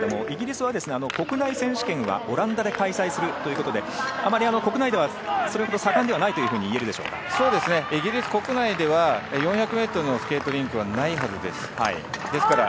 イギリスは国内選手権はオランダで開催するということで、あまり国内ではそれほど盛んではイギリス国内では４００ｍのスケートリンクはないはずです。